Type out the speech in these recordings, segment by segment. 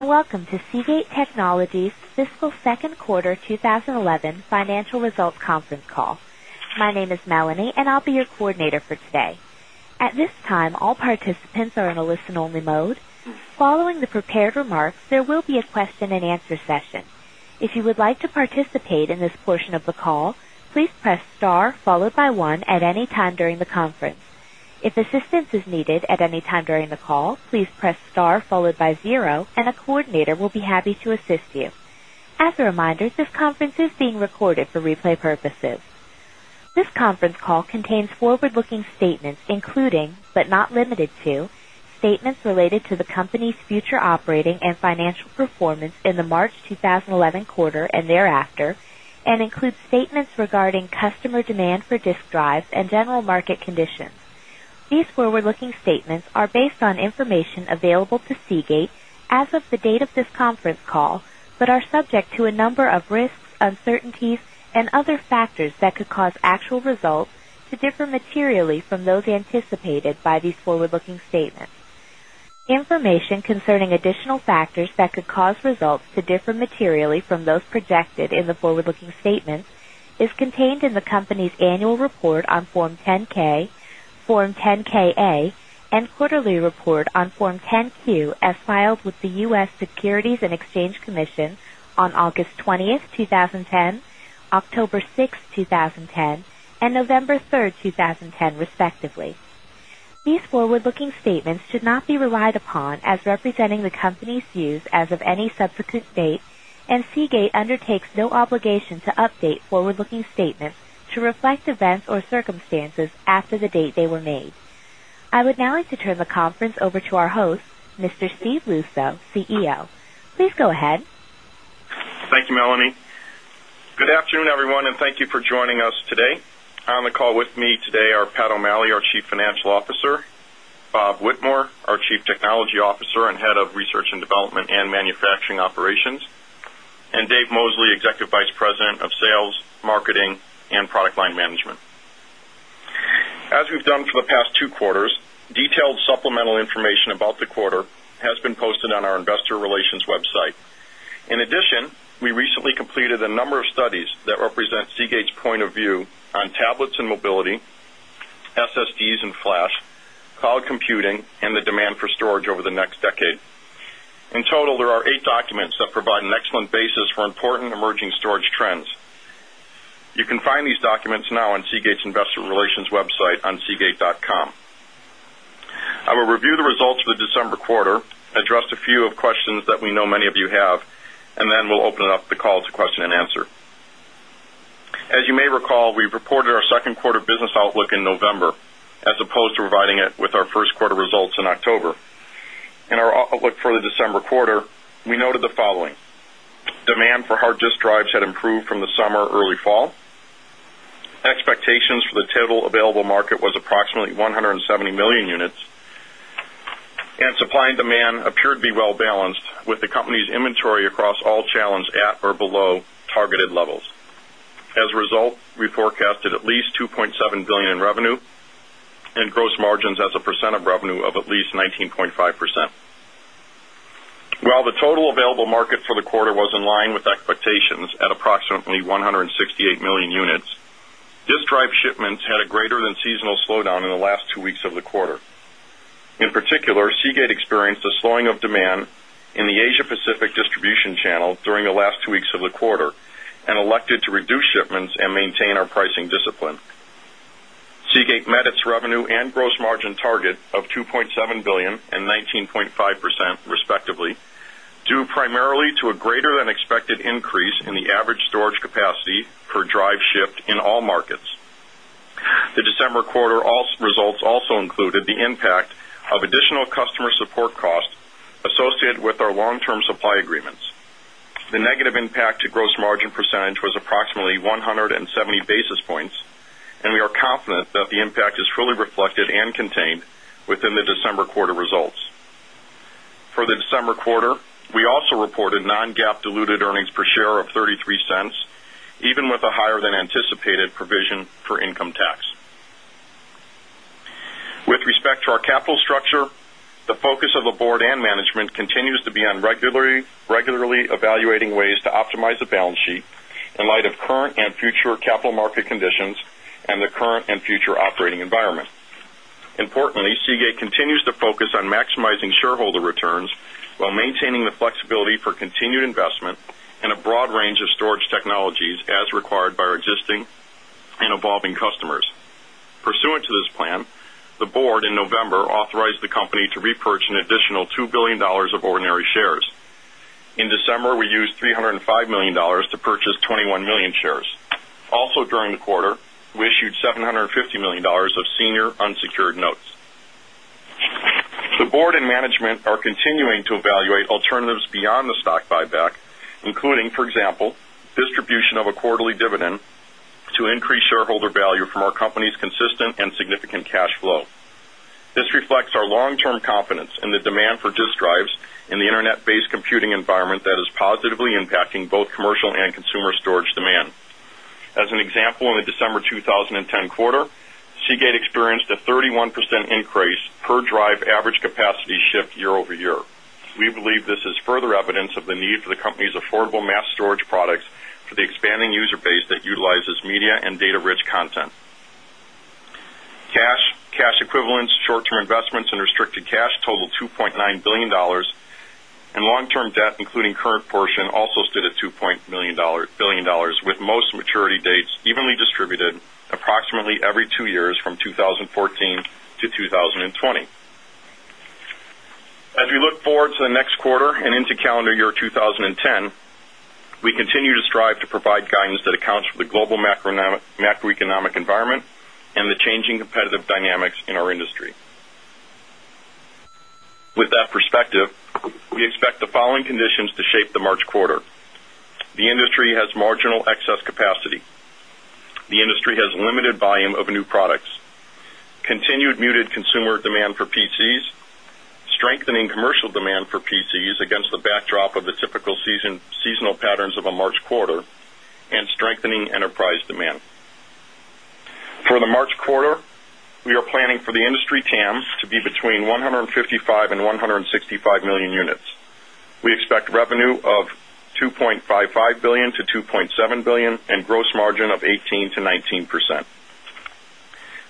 Welcome to Seagate Technologies Fiscal Second Quarter 2011 Financial Results Conference Call. My name is Melanie, and I'll be your coordinator for today. Session. Future operating and financial performance in the March 2011 quarter and thereafter and include statements regarding customer demand for disk drives and general market conditions. These forward looking statements are based on information available to Seagate as of the date of this conference call, but are subject to a number of risks, uncertainties and other factors that could cause actual results to differ materially from those anticipated by these forward looking statements. Information concerning additional factors that could cause results to differ materially from those projected in the forward looking statements is contained in the company's annual report on Form 10 ks, Form 10 ksA and Quarterly Report on Form 10 Q as filed with the U. S. Securities and Exchange Commission on August 20, 20 10, October 6, 2010 and November 3, 2010, respectively. These forward looking statements should not be relied upon as representing the company's views as of any subsequent date and Seagate undertakes no obligation to update forward looking statements to reflect events or circumstances after the date they were made. I would now like to turn the conference over to our host, Mr. Steve Lusso, CEO. Please go ahead. Thank you, Melanie. Good afternoon, everyone, and thank you for joining us today. On the call with me today are Pat O'Malley, our Chief Financial Bob Whitmore, our Chief Technology Officer and Head of Research and Development and Manufacturing Operations and Dave Mosley, Executive Vice President of Sales, Marketing and Product Line Management. As we've done for the past 2 quarters, detailed supplemental information about the quarter has been posted on our Investor Relations website. In addition, we recently completed a number of studies that represent Seagate's point of view on on tablets and mobility, SSDs and flash, cloud computing and the demand for storage over the next decade. In total, there are 8 documents that provide an excellent basis for important emerging storage trends. You can find these documents now on Seagate's Investor Relations website on seagate. Com. I will review the results for the December quarter, address a few of questions that we know many of you have and then we'll open up the call to question and answer. As you may recall, we reported our 2nd quarter business outlook in November as opposed to providing it with our 1st quarter results in October. In our outlook for the December quarter, we noted the following: Demand for hard disk drives had improved from the summer early fall Expectations for the total available market was approximately 170,000,000 units and supply and demand appeared to be well balanced with the company's inventory across all challenge atorbelowtargetedlevels. Across all challenge at or below targeted levels. As a result, we forecasted at least $2,700,000,000 in revenue and gross margins as a percent of revenue of at least 19.5%. While the total available market for the quarter was in line with expectations at approximately 168,000,000 units, disk drive shipments had a greater than seasonal slowdown in the last 2 weeks of the quarter. In particular, Seagate experienced a slowing of demand in the Asia Pacific distribution channel during the last 2 weeks of the quarter and elected to reduce shipments and maintain our pricing discipline. Seagate met its revenue and gross margin target of $2,700,000,000 19.5 percent, respectively due primarily to a greater than expected increase in the average storage capacity for DRiVESHIFT in all markets. The December quarter results also included the impact of additional customer support costs associated with our long term supply agreements. The negative impact to gross margin percentage was approximately 170 basis points and we are confident that the impact is truly reflected and contained within the December quarter results. For the December quarter, we also reported non GAAP diluted earnings per share of 0 point anticipated provision for income tax. With respect to our capital structure, the focus of the Board and management continues to be on regularly evaluating ways to optimize the balance sheet in light of current and future capital market conditions and the current and future operating environment. Importantly, Seagate continues to focus on maximizing shareholder returns, while maintaining the flexibility for continued investment in a broad range of storage technologies as required by our existing and evolving customers. Pursuant to this plan, the Board in November authorized the company to repurchase an additional $2,000,000,000 of ordinary shares. In December, we used $305,000,000 to purchase 21,000,000 shares. Also during the quarter, we issued $750,000,000 of senior unsecured notes. The Board and management are continuing to evaluate alternatives beyond the stock buyback, including for example, increase shareholder value from our company's consistent and significant cash flow. This reflects our long term confidence in the demand for disk drives in the Internet based computing environment that is positively impacting both commercial and consumer storage demand. As an example, in the December 2010 quarter, Seagate experienced a 31% increase per drive average capacity shift year over year. We believe this is further evidence of the need for the company's affordable mass storage products for the expanding user base that utilizes media and data rich content. Cash, cash equivalents, short term investments and restricted cash totaled $2,900,000,000 and long term debt including current portion also stood at $2,100,000,000 with most maturity dates evenly distributed approximately every 2 years from 2014 to 2020. As we look forward to the next quarter and into calendar year 10, we continue to strive to provide guidance that accounts for the global macroeconomic environment and the changing competitive dynamics in our industry. With that perspective, we expect the following conditions to shape the March quarter. The industry has marginal excess capacity. The industry has limited volume of new products, continued muted consumer demand for PCs, strengthening commercial demand for PCs against the backdrop of the typical seasonal patterns of a March quarter and strengthening enterprise demand. For the March quarter, we are planning for the industry TAM to be between 155,000,001 100 and 65,000,000 units. We expect revenue of $2,550,000,000 to 2.7 18% to 19%.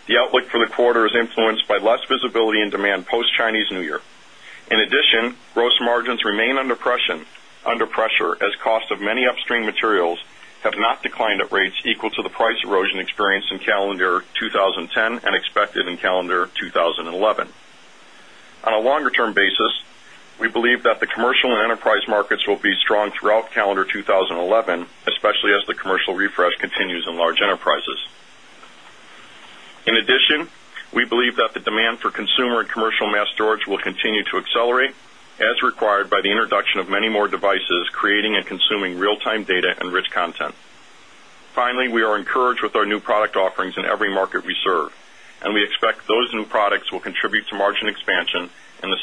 The outlook for the quarter is influenced by less visibility and demand post Chinese New Year. In addition, gross margins remain under pressure as cost of many upstream materials have not declined at rates equal to the price erosion experienced in calendar 2010 and expected in calendar 2011. On a longer term basis, we believe that the commercial and enterprise markets will be strong throughout calendar 2011, especially as the commercial refresh continues in large enterprises. In addition, we believe that the demand for consumer and commercial mass storage will continue to accelerate as required by the introduction of many more devices creating and consuming real time data and rich content. Finally, we are encouraged with our new product offerings in every market we serve and we expect those new products will 11.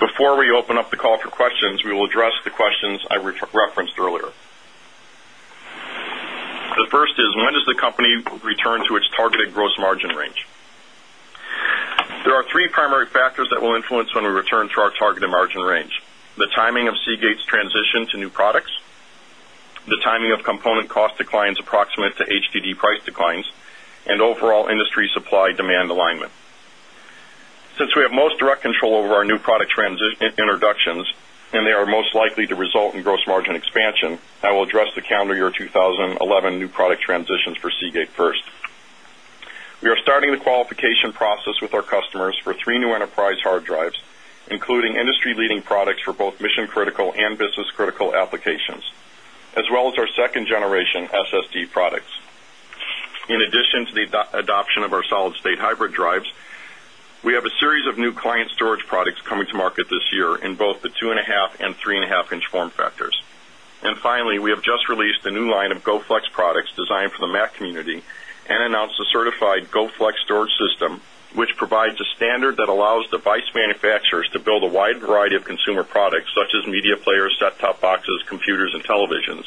Before we open up the call for questions, we will address the questions I referenced earlier. The first is when does the company return to its targeted gross margin range? There are 3 primary factors that will influence when we return to our targeted margin range. The timing of Seagate's transition to new products, the timing of component cost declines approximate to HDD price declines and overall industry supply demand alignment. Since we have most direct control over our new product introductions and they are most likely to result in gross margin expansion, I will address the calendar year leading products for both mission critical and business critical applications, as well as our 2nd generation SSD products. In addition to form factors. And finally, we have just released a new line of GoFlex form factors. And finally, we have just released a new line of GoFlex products designed for the Mac community and announced a certified GoFlex storage system, which provides a standard that allows device manufacturers to build a wide variety of consumer products such as media players, set top boxes, computers and televisions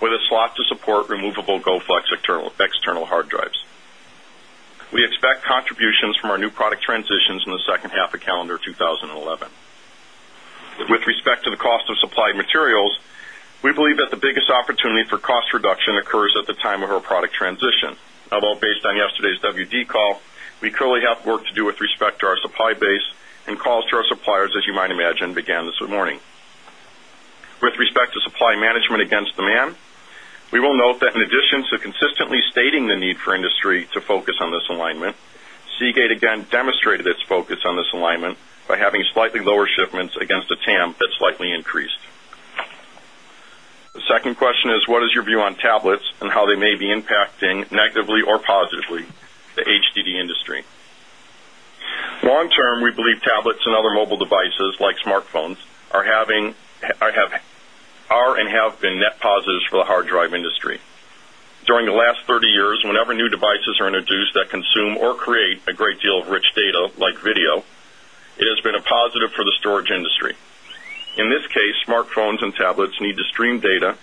with a slot to support removable Go Flex external hard drives. We expect contributions from our new product transitions in the second half of calendar twenty eleven. With respect to the cost of supplied materials, we believe that the biggest opportunity for cost reduction occurs at the time of our product transition. Although based on yesterday's WD call, we clearly have work to do with respect to our supply base and calls to our suppliers, as you might imagine, began this morning. With respect to supply demonstrated its focus on this alignment by having slightly lower shipments against the TAM that slightly increased. The second question is what is your view on tablets and how they may be impacting negatively or positively the HDD industry? Long term, we believe tablets and other mobile devices like smartphones are having are and have been net positives for the hard drive industry. During the last the storage industry. In this case, smartphones and tablets need to stream data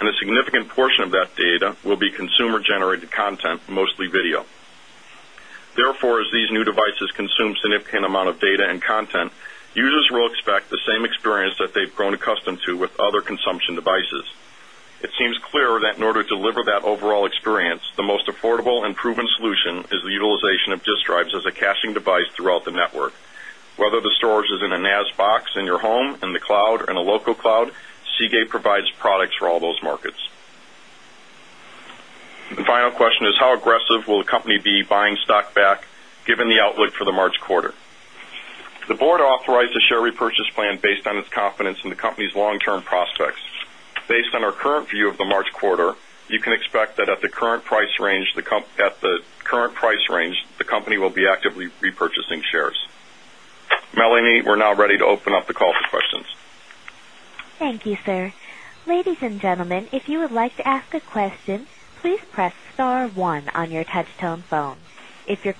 and a significant portion of that data will be consumer generated content, mostly video. Therefore, as these new devices consume significant amount of data and content, users will expect the same experience that they've grown accustomed to with other consumption devices. It seems clear that in order to deliver that overall experience, the most affordable and proven solution is the utilization of disk drives as a caching device throughout the network. Whether the storage is in a NAS box in your home, in the cloud or in a local cloud, Seagate provides products for all those markets. The final question is how aggressive will the company be buying stock back given the outlook for the March quarter? The Board authorized a share repurchase plan based on its confidence in the company's long term prospects. Based on our current view of the March quarter, you can expect that at the current price range, the company will be actively repurchasing shares. Melanie, we're now ready to open up the call for questions. Thank you, And our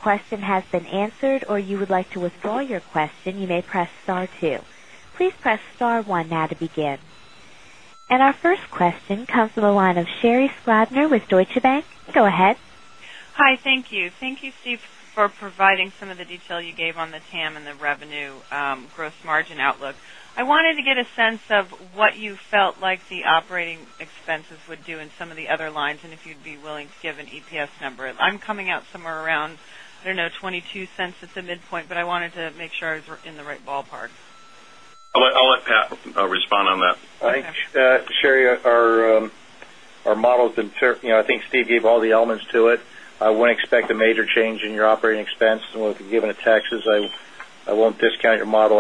first question comes from the line of Sherry Skradner with Deutsche Bank. Go ahead. Hi, thank you. Thank you, Steve, for providing like the operating expenses would do in some of the other lines and if you'd be willing to give an EPS number. I'm coming out somewhere around, I don't know, dollars 0.22 at the midpoint, I wanted to make sure I was in the right ballpark. I'll let Pat respond on that. I think Sherry, our models, I think Steve gave all the elements to it. I wouldn't expect a major change in your operating expense given the taxes. I won't discount your model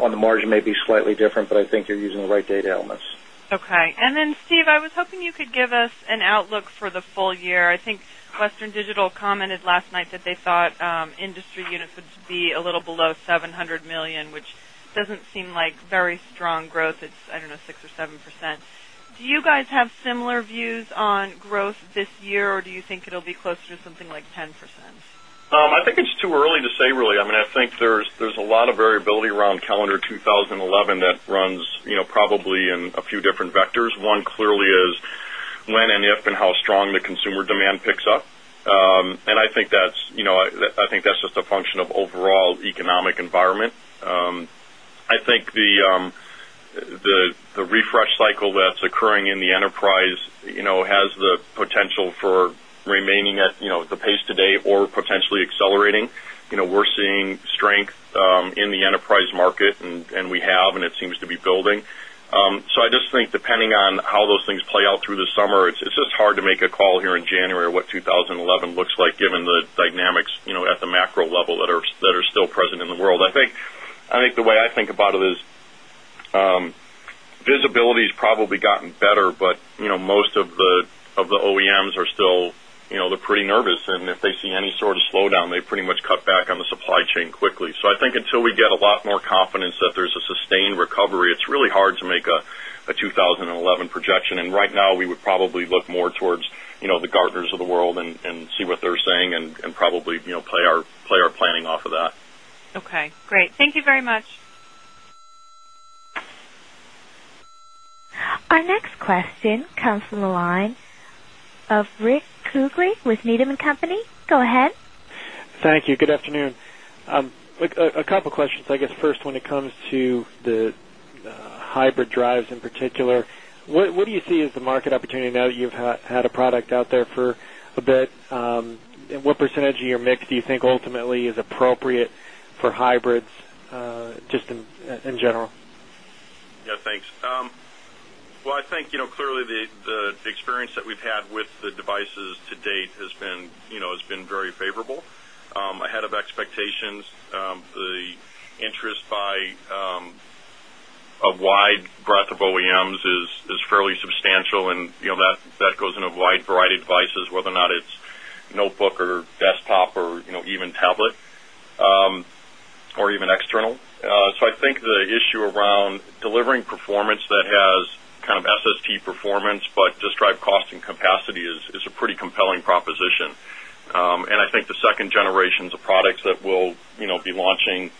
on the margin maybe slightly different, but I think you're using the right data elements. Okay. And then Steve, I was hoping you could give us an outlook for the full year. I think Western Digital commented last night that they thought industry units would be a little below 700,000,000 which doesn't seem like very strong growth, it's, I don't know, 6% or 7%. Do you guys have similar views on growth this year or do you think it will be closer to something like 10%? I think it's too early to say really. I mean, I think there's a lot of variability around calendar 2011 that runs probably in a few different vectors. One clearly is when and if and how strong the consumer demand picks up. And I think that's just a function of overall economic environment. I think the refresh cycle that's occurring in the enterprise has the potential for remaining at the pace today or potentially accelerating. We're seeing strength in the enterprise market and we have and it seems to be building. So I just think depending on how those things play out through the summer, it's just hard to make a call here in January what 2011 looks like given the dynamics at the macro level that are still present in the world. I think the way I think about it is visibility has probably gotten better, but most of the OEMs are still they're pretty nervous and if they see any sort of slowdown, they pretty much cut back on the supply chain quickly. So I think until we get a lot more confidence that there is a sustained recovery, it's really hard to make a 2011 projection. And right now, we would probably look more towards the Gartners of the world and see what they're saying and probably play our planning off of that. Our next question comes from the line of Rick Kugli with Needham and Company. Go ahead. Thank you. Good afternoon. A couple of questions. I guess, first, when it comes to the hybrid drives in particular, what do you see as the market opportunity now that you've had a product out there for a bit? What percentage of your mix do you think ultimately is appropriate for hybrids just in general? Yes, thanks. Well, I think clearly the experience that we've had with the devices to date has been very favorable. Ahead of expectations. The interest by a wide breadth of OEMs is fairly substantial and that goes in a wide variety of devices whether or not it's notebook or desktop or even tablet or even external. So I think the issue around delivering performance that has kind of SST performance, but just drive cost and capacity is a pretty compelling proposition. And I think the 2nd generations of products that we'll be launching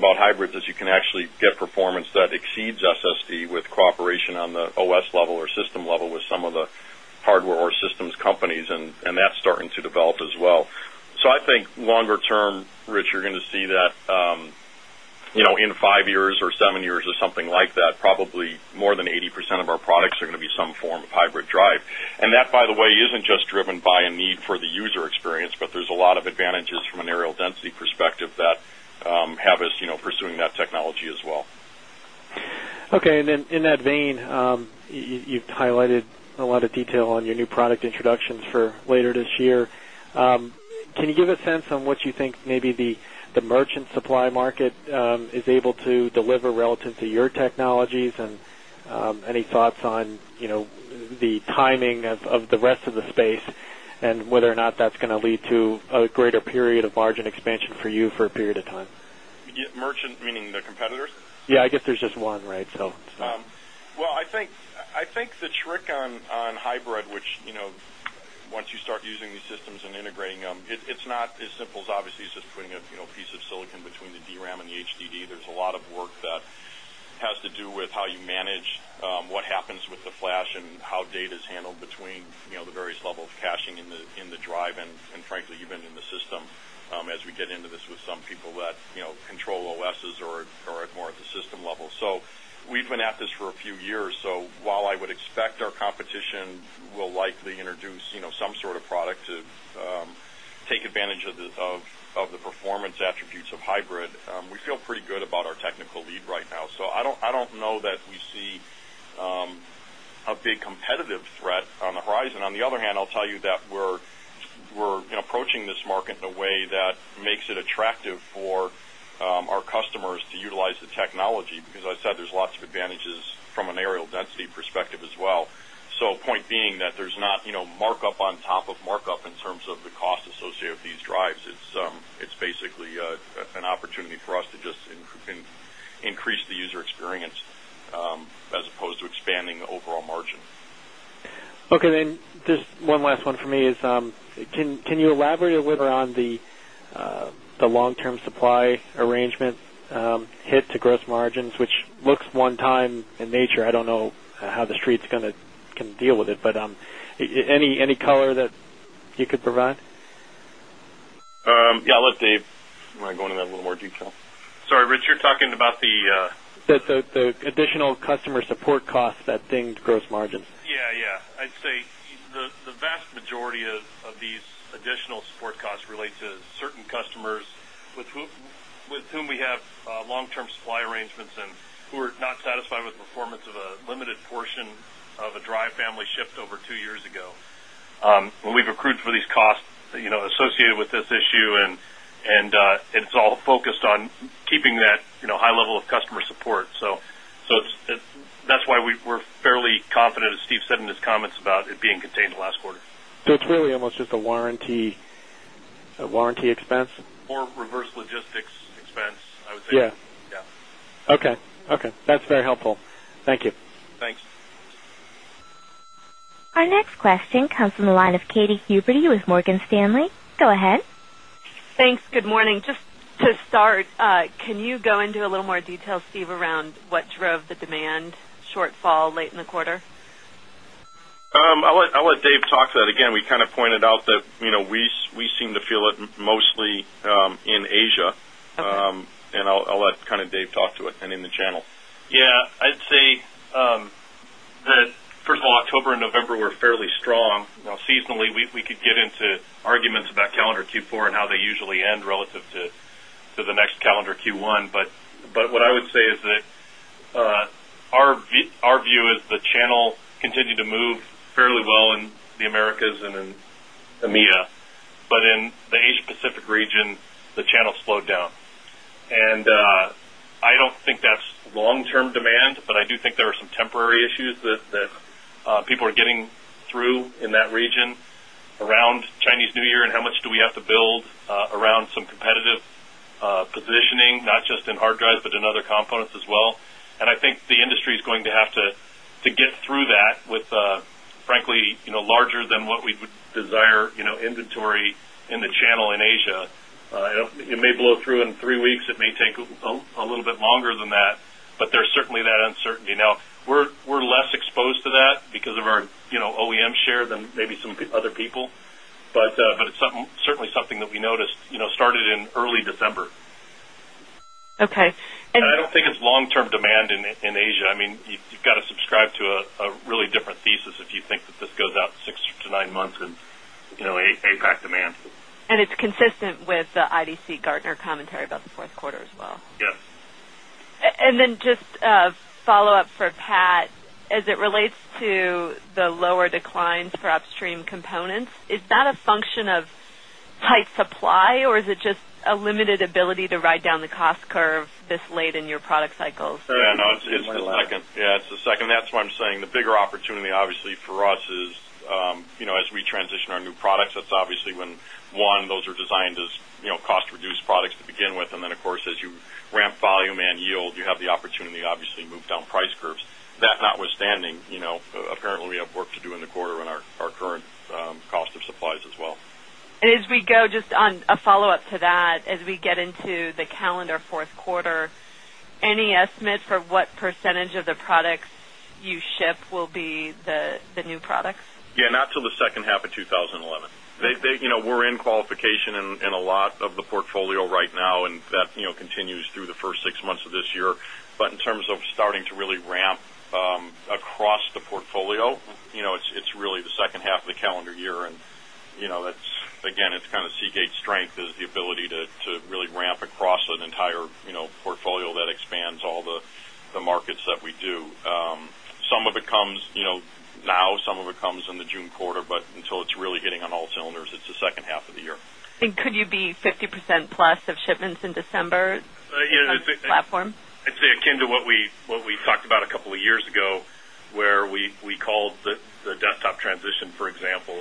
about hybrid is you can actually get performance that exceeds SSD with cooperation on the OS level or system level with some of the hardware or systems companies and that's starting to develop as well. So I think longer term, Rich, you're going to see that in 5 years or 7 years or something like that, probably more than 80% of our products are going to be some form of hybrid drive. And that by the way isn't just driven by a need for the user experience, but there's a lot of advantages from an aerial density perspective that have us pursuing that technology as well. Okay. And then in that vein, you've highlighted a lot of detail on your new product introductions for later this year. Can you give sense on what you think maybe the merchant supply market is able to deliver relative to your technologies? And any thoughts on the timing of the rest of the space and whether or not that's going to lead to a greater period of margin expansion for you for a period of time? Merchant meaning the competitors? Yes, I guess there's just one, right? Well, I think the trick on hybrid, which once you start using these systems and integrating them, it's not as simple as obviously just putting a piece of silicon between the DRAM and the HDD. There's a lot of work that has to do with how you or at more at the system level. So we've been at this for a few years. Or more at the system level. So we've been at this for a few years. So while I would expect our competition will likely introduce some sort of product to take advantage of the performance attributes of hybrid, we feel pretty good about our technical lead right now. So I don't know that we see a big competitive threat on the horizon. On the other hand, I'll tell you that we're approaching this market in a way that makes it attractive for our customers to utilize the technology, because I said there's lots of advantages from an aerial density perspective as well. So point being that there's not markup on top of markup in terms of the cost associated with these drives. It's basically an opportunity for us to just increase the user experience as opposed to expanding the overall margin. Okay. Then just one last one for me is, can you elaborate a little bit on the long term supply arrangement hit to gross margins, which looks one time in nature. I don't know how the streets going to can deal with it, but any color that you could provide? Yes, I'll let Dave go into that a little more detail. Sorry, Rich, you're talking about the The additional customer relate to relate to certain customers with whom we have long term supply arrangements and who are not satisfied with performance of a limited dry family shipped over 2 years ago. When we've accrued for these costs associated with this issue and it's all focused on keeping that high level of customer support. So, that's why we're fairly confident as Steve said in his comments about it being contained last quarter. So, it's really almost just a warranty expense? More reverse logistics expense, I would say. Yes. Okay. That's very helpful. Thank you. Thanks. Our next question around what drove the demand shortfall late in the quarter? I'll let Dave talk to that again. We kind of pointed out that we seem to feel it mostly in Asia. And I'll let kind of Dave talk to it and in the channel. Yes, I'd say that first of all October November were fairly strong. Seasonally, we could get into arguments November were fairly strong. Seasonally, we could get into arguments about calendar Q4 and how they usually end relative to the next calendar Q1. But what I would say is that our view is the channel continue to move that's long term demand, but I do think there are some temporary issues that people are getting through in that region around Chinese New Year and how much do we have to build around some competitive industry is going to have to get through that with frankly, industry is going to have to get through that with frankly larger than what we would desire inventory in the channel in Asia. It may blow through in 3 weeks, it may take a little bit longer than that, but there's certainly that uncertainty. Now we're less exposed to that because of our OEM share than maybe some other people, but it's certainly something that we noticed started in early December. Okay. And I don't think it's long term demand in Asia. I mean, you've got to subscribe to a really different thesis if you think that this goes out 6 to 9 months in APAC demand. And it's consistent with the IDC Gartner commentary about the Q4 as well? Yes. And then just a follow-up for Pat, as it relates to the lower declines for upstream components. Is that a function of tight supply or is it just a limited ability to ride down the cost curve this late in your product cycles? Yes, it's the second. That's what I'm saying. The bigger opportunity obviously for us is, as we transition our new products, that's obviously move down price curves. That notwithstanding, have the opportunity to obviously move down price curves. That notwithstanding, apparently we have work to do in the quarter on our current cost of supplies as well. And as we go, just on a follow-up to that, as we get into the calendar Q4, any estimate for what percentage of the products you ship will be the new products? Yes, not till the second half of twenty eleven. They in qualification in a lot of the portfolio right now and that continues through the 1st 6 months of this year. But in terms of starting to really ramp across the portfolio, it's really the second half of the calendar year and that's again it's kind of Seagate strength is the ability to really ramp across an entire portfolio that expands all the markets that we do. Some it comes now, some of it comes in the June quarter, but until it's really hitting on all cylinders, it's the second half of the year. And could you be 50% plus of shipments in December platform? I'd say akin to what we talked about a couple of years ago, where we called the desktop transition for example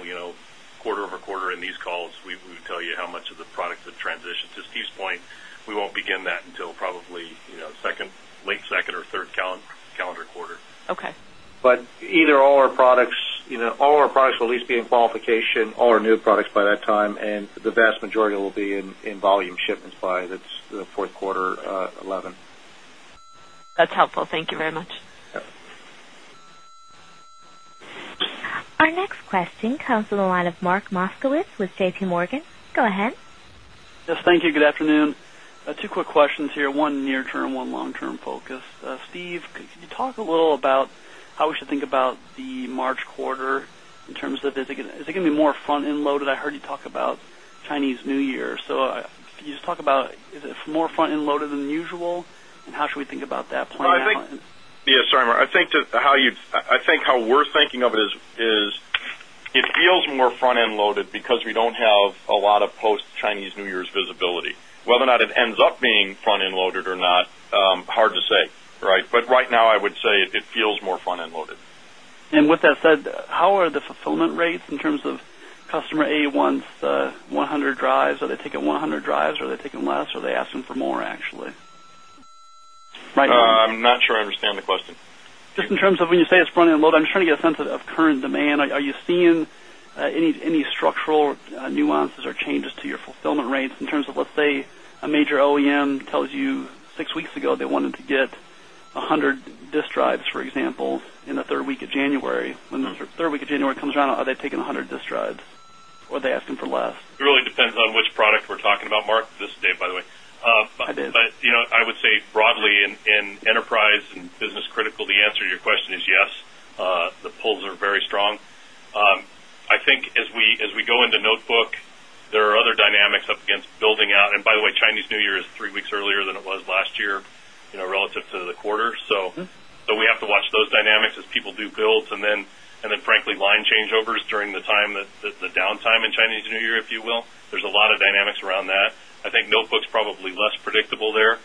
quarter over quarter in these calls we would tell you how much of the product that transitions to Steve's point. We won't begin that until probably late 2nd or 3rd calendar quarter. Okay. But either all our products will at least be in qualification, all our new products by that time and the vast majority will be in volume shipments by the Q4 2011. That's helpful. Thank you very much. Our next question comes from the line of Mark Moskowitz with JP Morgan. Go ahead. Yes. Thank you. Good afternoon. Two quick questions here, 1 near term, 1 long term focus. Steve, could you talk a little about how we should think about the March quarter in terms of is it going to be more front end loaded? I heard you talk about Chinese New Year. So can you just talk about, is it more front end loaded than usual? And how should we think about that plan? Yes, sorry, Mark. I think how we're thinking of it is, it feels more front end loaded because we don't have a lot of post Chinese New Year's visibility. Whether or not it ends up being front end loaded or not, hard to say, right. But right now, I would say it feels more front end loaded. And with that said, how are the fulfillment rates in terms of customer A1's 100 drives, are they taking 100 drives, are they taking less, are they asking for more actually? I'm not sure I understand the question. Just in terms of when you say it's front end loaded, I'm just trying to get a sense of current demand. Are you seeing any structural nuances or changes to your fulfillment rates in terms of, let's say, a major OEM tells you 6 weeks ago they wanted to get 100 disk drives, for example, in the 3rd week of January. When the 3rd week of January comes around, are they taking 100 disk drives or are they asking for less? It really depends on which product we're talking about, Mark, this is Dave by the way. But I would say broadly in enterprise and business critical, the answer to your question is yes. The pull are very strong. I think as we go into notebook, there are other dynamics up against building out and by the way, Chinese New Year is 3 weeks earlier than it was last year relative to the quarter. So we have to watch those dynamics as people do builds. And then frankly, line changeovers during the time that the downtime in Chinese New Year, if you will. There's a lot of dynamics around that. I think notebooks probably less predictable there.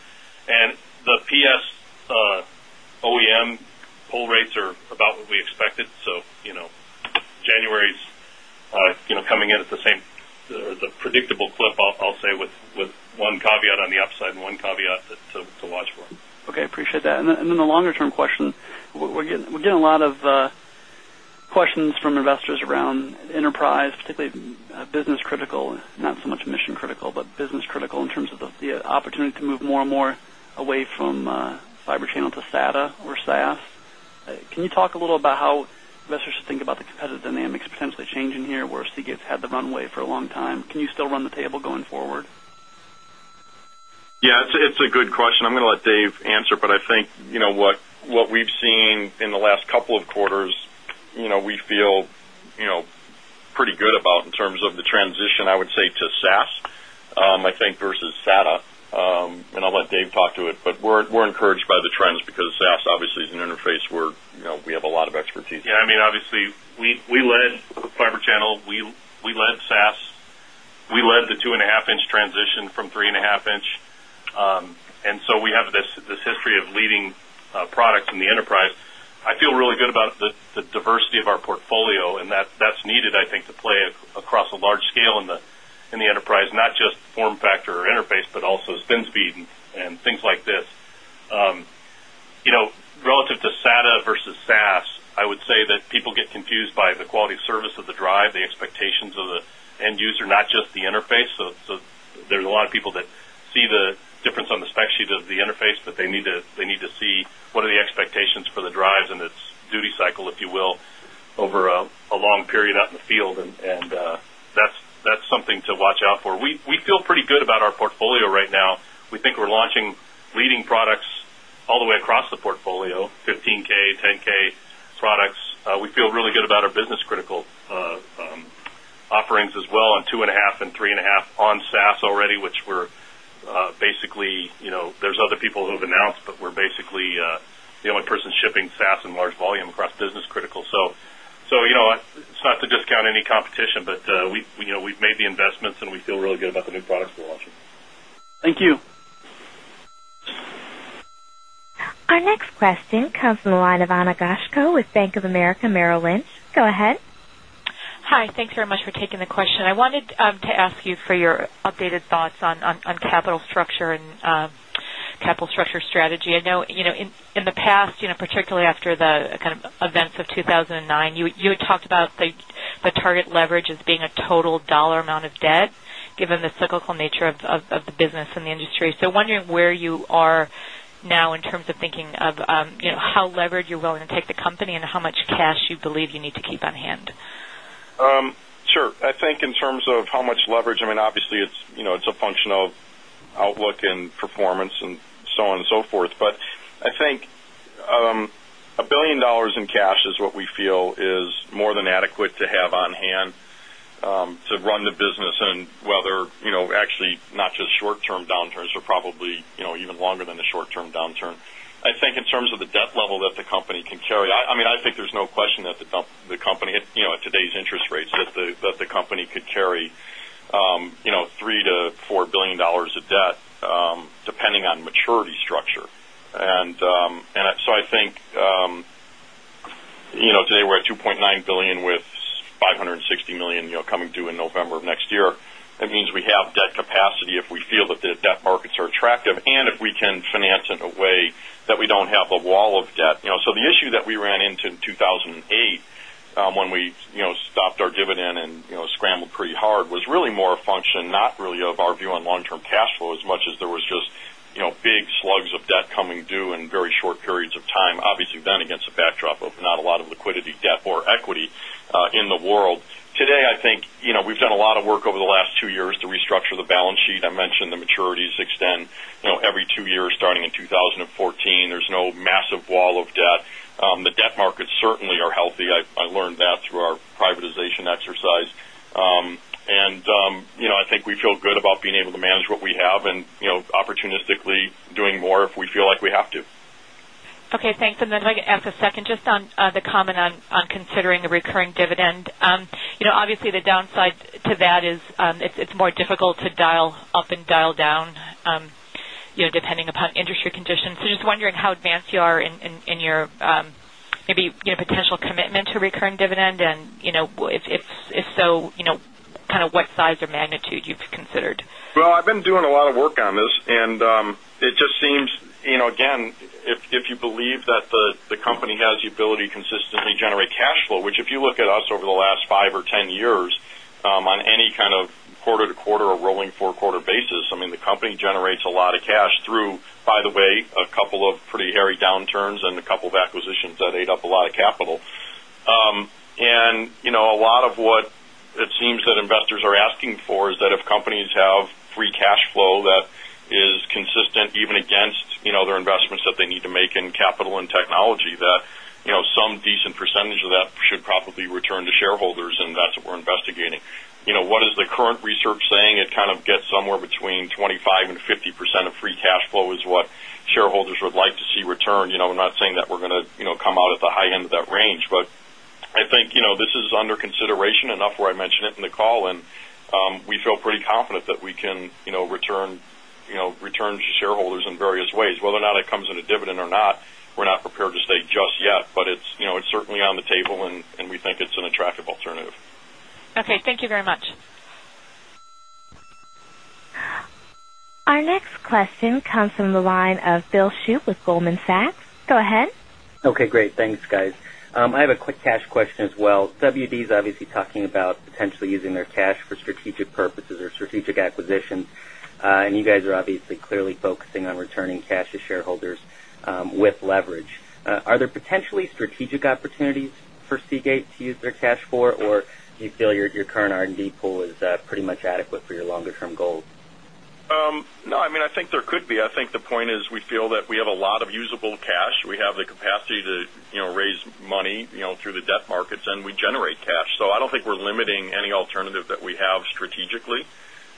And the PS OEM pull rates are about what we expected. So, January is coming at the same the predictable clip, I'll say with one caveat on the upside and one caveat to watch for. And then the longer term question, we're getting a lot of questions from investors around enterprise, particularly business critical, not so much mission critical, but business critical in terms of the opportunity to move more and more away from fiber channel to SATA or SaaS. Can you talk a little about how investors should think about the competitive dynamics potentially changing here, where Seagate had the runway for a long time? Can you still run the table going forward? Yes, it's a good question. I'm going to let Dave answer, but I think what we've seen in the last couple of quarters, we feel pretty good about in terms of the transition, I would say to SaaS, I think versus SATA. And I'll let Dave talk to it, but we're encouraged by the trends because SaaS obviously is an interface where we have a lot of expertise. Yes, I mean, obviously, we led interface where we have a lot of expertise. Yes, I mean obviously we led fiber channel, we led SaaS, we led the 2.5 inches transition from 3.5 inches and so we have this history of leading products in the enterprise. I feel really good about the diversity of our spin speed and things like this. Spin speed and things like this. Relative to SATA versus SaaS, I would say that people get confused by the quality of service of the drive, the expectations of the end user, not just the interface. So there's a lot of people that see expectations for the drives and its duty cycle, if you will, over a long period out in the field and that's something to watch out for. We feel pretty good about our portfolio right now. We think we're launching leading products all the way across the portfolio, 15 ks, 10 ks products. We feel really good about our business critical offerings as well on 2.5 and 3.5 on SaaS already, which basically there's other people who've announced, but we're basically the only person shipping SaaS in large volume across business critical. So, it's not to discount any competition, but we've made the investments and we feel really good about the new products we're launching. Thank you. Our next question comes from the line of Ana Goshko with Bank of America Merrill Lynch. Go ahead. Hi. I wanted to ask you for your updated thoughts on capital structure and structure strategy. I know in the past particularly after the kind of events of 2,009, you had talked about the target leverage as being a total dollar amount of debt given the cyclical nature of the business and the industry. So wondering where you are now in terms of thinking of how levered you're willing to take the company and how much cash you believe you need to keep on hand? Sure. I think in terms of how much in cash is what we feel is more than adequate to have on hand to run the business and whether actually not just short term downturns or probably even longer than the short term downturn. I think in terms of the debt level that the company can carry, I mean, I there's no question that the company at today's interest rates that the company could carry $3,000,000,000 to 4 $1,000,000,000 of debt depending on maturity structure. And so I think today we're at 2 point $9,000,000,000 with $560,000,000 coming due in November of next year. That means we have debt capacity if we feel that the debt markets are attractive fund stopped our dividend and scrambled pretty hard was really more a function, not really of our view on long term cash flow as much as there was just big slugs of debt coming due in very short periods of time, obviously then against the backdrop of not a lot of liquidity debt or equity in the world. Today, I think we've done a lot of work over the last 2 years to restructure the balance sheet. I mentioned the maturities extend every 2 years starting in 2014. There's no massive wall of debt. The debt markets certainly are healthy. I learned that through our privatization exercise. And I think we feel good about being able to manage what we have and opportunistically doing more if we feel like we have to. Okay, thanks. And then if I could ask a second, just on the comment on considering the recurring dividend. Obviously, the downside to that is it's more difficult to dial up and dial down depending upon industry conditions. So just wondering how advanced you are in your maybe potential commitment to recurring dividend and if so, kind of what size or magnitude you've considered? Well, I've been doing a lot of work on this and it just seems, again, if you believe that the company has the ability to consistently generate cash flow, which if you look at us over the last 5 or 10 years, on any quarter to quarter or rolling 4 quarter basis, I mean the company generates a lot of cash through, by the way, a couple of pretty hairy downturns in and a couple of acquisitions that ate up a lot of capital. And a lot of what it seems that investors are asking for decent percentage of that should probably return to shareholders and that's what we're investigating. Investigating. What is the current research saying? It kind of gets somewhere between 25% and 50% of free cash flow is what shareholders would like to see return. I'm not saying that we're of free cash flow is what shareholders would like to see return. I'm not saying that we're going to come out at the high end of that range, but I think this is under consideration enough where I mentioned it in the call and we feel pretty confident that we can return to shareholders in various ways. Whether or not it comes in a dividend or not, we're not prepared to stay just yet, but it's certainly on the table and we think it's an attractive alternative. Okay. Thank you very much. Our next question comes from the line of Bill Hsu with Goldman Sachs. Go ahead. Okay, great. Thanks guys. I have a quick cash question as well. WD is obviously talking about potentially using their cash for strategic purposes or strategic acquisitions. And you guys are obviously clearly focusing on returning cash to shareholders with leverage. Are there Are there potentially strategic opportunities for Seagate to use their cash for or you feel your current R and D pool is pretty much adequate for your longer term goal? No, I mean I think there could be. I think the point is we feel that we have a lot of usable cash, we have the capacity to raise money through the debt markets and we generate cash. So I don't think we're limiting any alternative that we have strategically,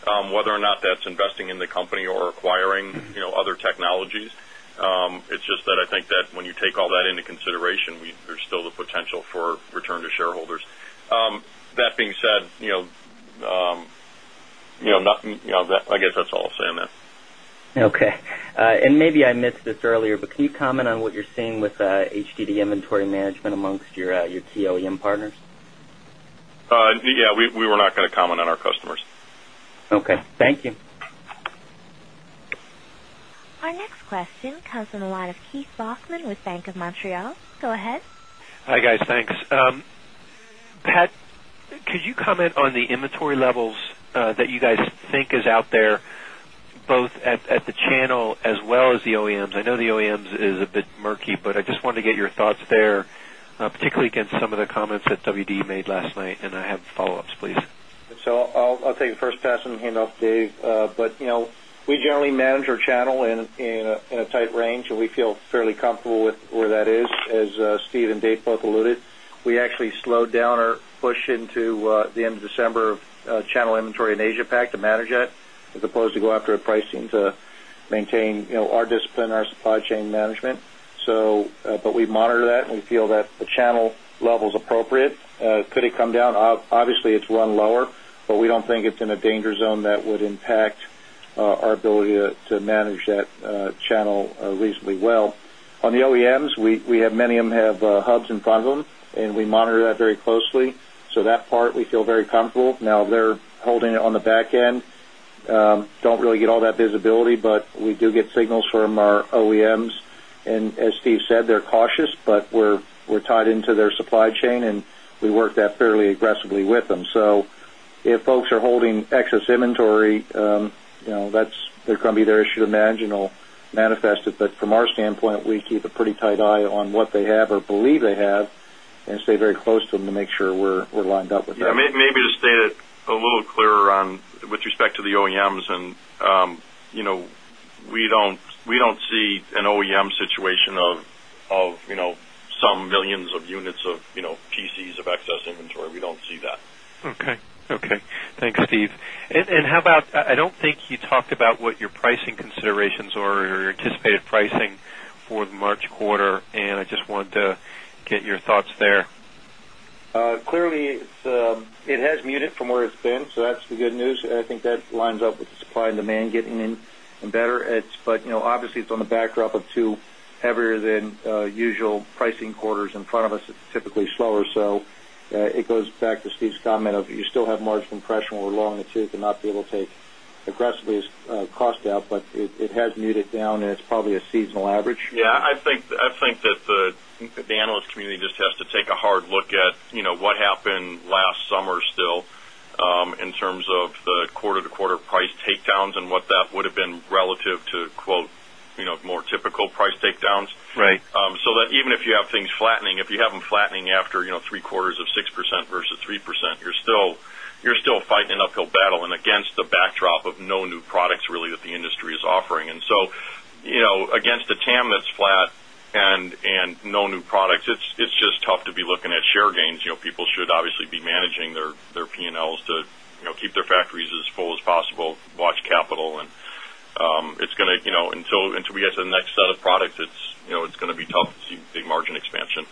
whether or not that's investing in the company or acquiring other technologies. It's just that I think that when you take all that into consideration, there's still the potential for return to shareholders. That being said, I guess that's all I'll say on that. Okay. And maybe I missed this earlier, but can you comment on what you're seeing with HDD inventory management amongst your OEM partners? Yes, we were not going to comment on our customers. Okay. Thank you. Our next question comes from the line of Keith Bachman with Bank of Montreal. Go ahead. Hi, guys. Thanks. Pat, could you comment on the inventory levels that you guys think is out there, both at the channel as well as the OEMs? I know the OEMs is a bit murky, but I just wanted to get your thoughts there, particularly against some of the comments that WD made last night. And I have follow ups, please. So I'll take the first pass and hand off to Dave. But we generally manage our channel in a tight range and we feel fairly comfortable with where that is. As Steve and Dave both alluded, we actually slowed down our push into the end of December channel inventory in Asia Pac to manage that as opposed to go after a pricing to maintain our discipline, our supply chain management. So but we monitor that and we feel that the channel level is appropriate. Could it come down? Obviously, it's run lower, but we don't think it's in a danger zone that would impact our ability to manage that channel reasonably well. On the OEMs, we have many of them have hubs in front of them and we monitor that very closely. So that part we feel very comfortable. Now they're holding it on the back end. Don't really get all that visibility, but we do get signals from our OEMs. And as Steve said, they're cautious, but we're tied into their supply chain and we work that fairly aggressively with them. So if folks are holding excess inventory, that's there can be there, it should imagine it will manifest it. But from our standpoint, we keep a pretty tight eye on what they have or believe they have and stay very close to them to make sure we're lined up with that. Yes, maybe to state it a little clearer on with respect to the OEMs and we don't see an OEM situation of some millions of units of PCs of excess inventory. We don't see that. Okay. Okay. Thanks, Steve. And how about I don't think you talked about what your pricing considerations or anticipated pricing for the March quarter and I just want to get your thoughts there. Clearly, it has muted from where it's been. So that's the good news. I think that lines up with the supply and demand getting in and better. But obviously, it's on the backdrop of 2 heavier than usual pricing quarters. In front of us, it's typically slower. So it goes back to Steve's comment of you still have margin pressure or longitude to not be able to take aggressively cost out, but it has muted down and it's probably a seasonal average. Yes. I think that the analyst community just has to take a hard look at what happened last summer still in terms of the quarter to quarter price takedowns and what that would have been relative to more typical price takedowns. So that even if you have things flattening, if you have them flattening after 6% versus 3%, you're still fighting an uphill battle and against the backdrop of no new products really that the industry is offering. And so against the TAM that's flat and no new products, it's just tough to be looking at share gains. People should obviously be managing their P and Ls to keep their factories as full as possible, watch capital and it's going to until we get to the next set of products, it's going to be tough to see big margin expansion.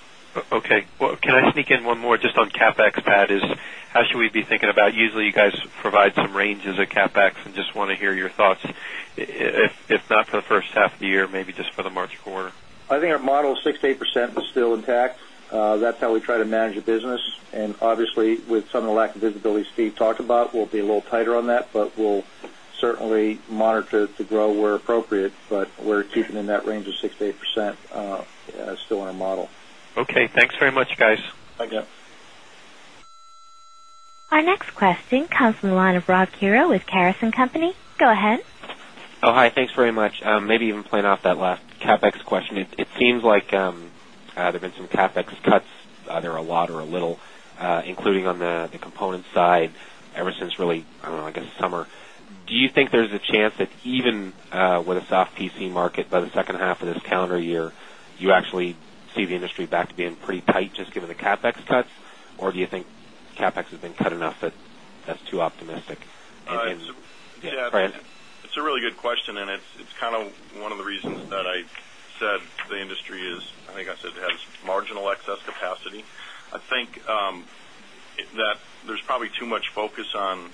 Okay. Well, can I sneak in one more just on CapEx, Pat, is how should we be thinking about usually you guys provide some range of CapEx and just want to hear your thoughts if not for the first half of the year, maybe just for the March quarter? I think our model is 6% to 8% is still intact. That's how we try to manage the business. And obviously, with some of the lack of visibility Steve talked about, we'll be little tighter on that, but we'll certainly monitor to grow where appropriate, but we're keeping in that range of 6% to 8% still in our model. Okay. Thanks very much guys. Our next question comes from the line of Rob Quiro with Karas and Company. Go ahead. Hi. Thanks very much. Maybe even playing off that last CapEx question. It seems like there have been some CapEx cuts, either a lot or a little, including on the components side ever since really, I don't know, like a summer. Do you think there's a chance that even with a soft PC market by the second half of this calendar year, you actually see the industry back to being pretty tight just given the CapEx cuts? Or do you think CapEx has been cut enough that that's too optimistic? It's a really good question and it's kind of one of the reasons that I said the industry is, I think I said, has marginal excess capacity. I think that there's probably too much focus on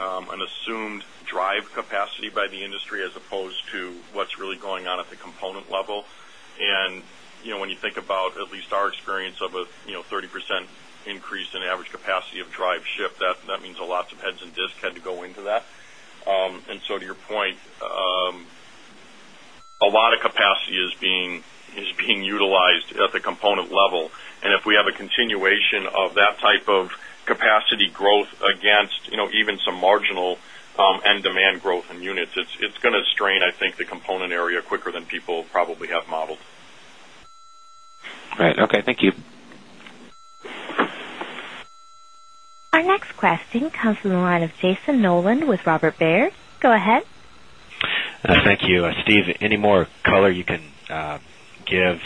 an assumed drive capacity by the industry as opposed to what's really going on at the component level. And when you think about at least our experience of 30% increase in average capacity of driveship that means a lots of heads and disc had to go into that. And so to your point, a lot of capacity is being utilized at the component level. And if we have a continuation of that type of capacity growth against even some marginal end demand growth in units, it's going to strain, I think, the component area quicker than people probably have modeled. Right. Okay. Thank you. Our next question comes from the line of Jason Nolan with Robert Baird. Go ahead. Thank you. Steve, any more color you can give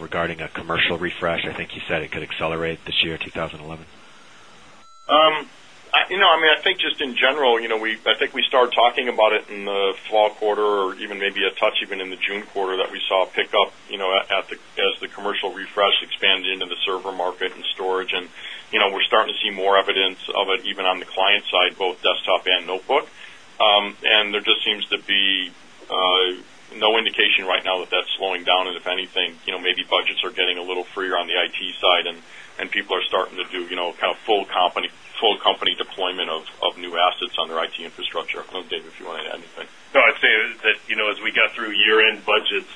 regarding 2011? I mean, I think just in general, I think we start talking about it in the fall quarter or even maybe a touch even in the June quarter that we saw a pickup as the commercial refresh expanded into the server market and storage. And we're starting to see more evidence of it even on the client side, both desktop and notebook. And there just seems to be no indication right now that that's slowing down. And if anything, maybe budgets are getting a little freer on the IT side and people are starting to do kind of full company deployment of new assets on their IT infrastructure. I don't know, David, if you want to add anything. No, I'd say that as we got through year end budgets,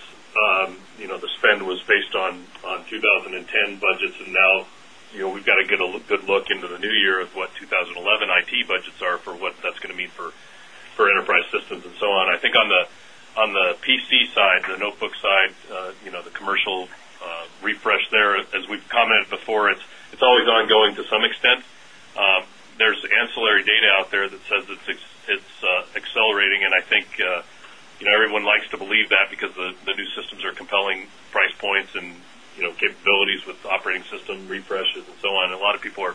the spend was based on 2010 budgets and now we've got to get a good look into the New Year of what 2011 IT budgets are for what that's going to mean for enterprise systems and so on. I think on the PC side, the notebook side, the commercial refresh there, we've commented before, it's always ongoing to some extent. There's ancillary data out there that says it's accelerating and I think everyone likes to believe that because the new systems are compelling price points and capabilities with operating system refreshes and so on. A lot of people are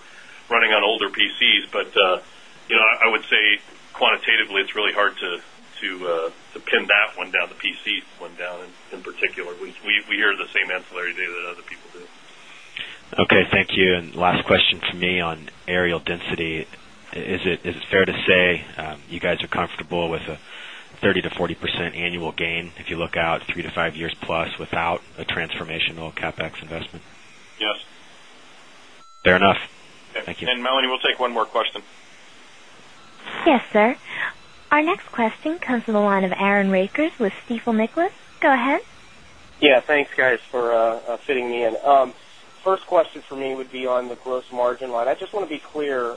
running on older PCs, but I would say quantitatively it's really hard to pin that one down the PC went down in particular. We hear the same ancillary data that other people do. Okay. Thank you. And last question for me on areal density. Is it fair to say you guys are comfortable with a 30% to 40% annual gain if you look out 3 to 5 years plus without a transformational CapEx investment? Yes. Fair enough. Thank you. And Melanie, we'll take one more question. Yes, sir. Our next question comes from the line of Aaron Rakers with Stifel Nicolaus. Go ahead. Yes, thanks guys for fitting me in. First question for me would be on the gross margin line. I just want to be clear,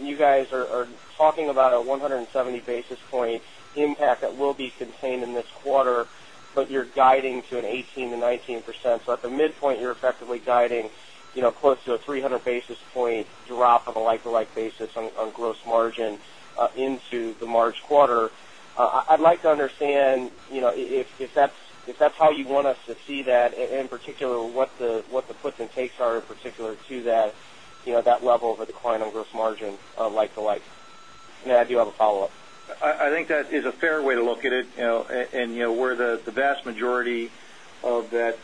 you guys are talking about a 170 basis point impact that will be contained in this quarter, but you're guiding to an 18% to 19%. So at the midpoint, you're effectively guiding close to a 300 basis point drop of a like for like basis on gross margin into the March quarter. I'd like to understand if that's how you want us to see that and in particular what the puts and takes are in particular to that level of a decline on gross margin like for like. Matt, do you have a follow-up? I think that is a fair way to look at it. And where the vast majority of that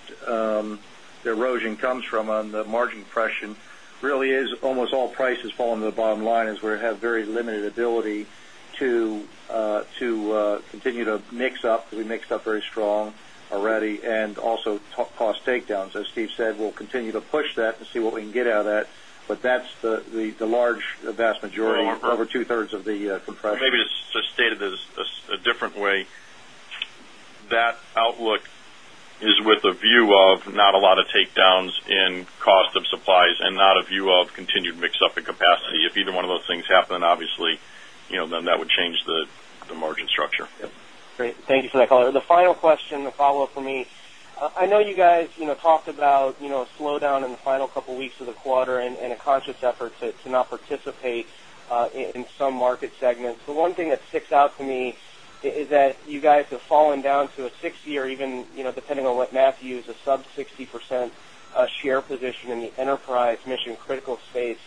erosion comes from on the margin compression really is almost all prices fall into the bottom line as we have very limited ability to really is almost all prices fall into the bottom line as we have very limited ability to continue to mix up. We mixed up very strong already and also cost takedowns. As Steve said, we'll continue to push that and see what we can get out of that. But that's the large vast majority, over 2 thirds of the compression. Maybe just stated this a different way. That outlook is with a view of not a lot of takedowns in cost of supplies and not a view of continued mix up in capacity. If either one of those things happen, obviously, then that would change the margin structure. Great. Thank you for that color. The final question, a follow-up for me. I know you guys talked about a slowdown in the final couple of weeks of the quarter and a conscious effort to not participate in some market segments. The one thing that sticks out to me is that you guys have fallen down to a 6 year even depending on what Matthew is a sub-sixty percent share position in the enterprise mission critical space.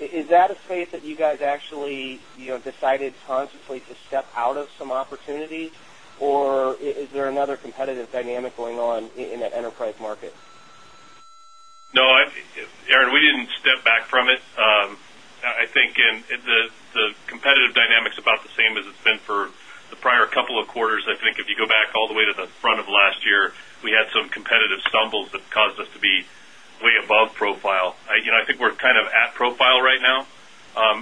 Is that a space that you guys actually decided consciously to step out of some enterprise market? No, Aaron, we didn't step back from it. I think the competitive dynamics about the same as it's been for the prior couple of quarters. I think if you go back all the way to the front of last year, we had some competitive stumbles that caused us to be way above profile. I think we're kind of at profile right now.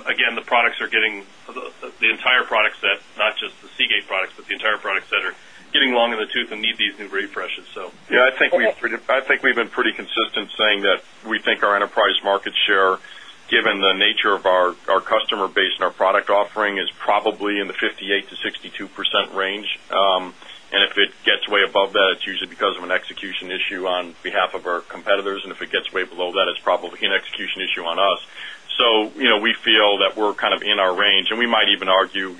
Again, the products are getting the entire product set, not just the Seagate products, but the entire product set are getting long in the tooth and need these new refreshes. So Yes, I think we've been pretty consistent saying that we think our enterprise market share given the nature of our customer base and our product offering is probably in the 58% to 62% range. And if it gets way above that, it's usually because of an execution issue on behalf of our competitors and if it gets way below that, it's probably an execution issue on us. So we feel that we're kind of in our range and we might even argue,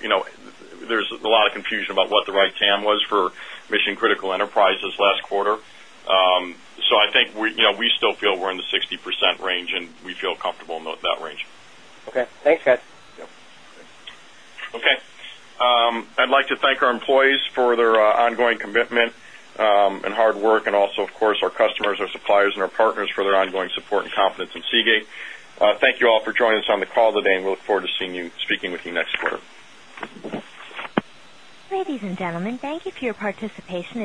there's a lot of confusion about what the right TAM was for mission critical enterprises last quarter. So I think we still feel we're in the 60% range and we feel comfortable in that range. Okay. Thanks guys. Okay. I'd like thank our employees for their ongoing commitment and hard work and also of course our customers, our suppliers and our partners for their ongoing support and confidence in Seagate. Thank you all for joining us on the call today and we look forward to seeing you speaking with you next quarter. Ladies and gentlemen, thank you for your participation